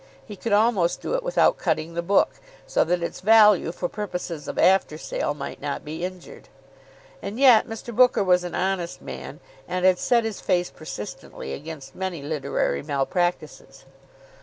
He could almost do it without cutting the book, so that its value for purposes of after sale might not be injured. And yet Mr. Booker was an honest man, and had set his face persistently against many literary malpractices.